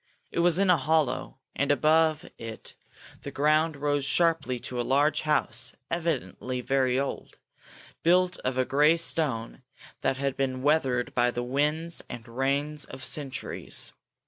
It was in a hollow, and above it the ground rose sharply to a large house, evidently very old, built of a grey stone that had been weathered by the winds and rains of centuries.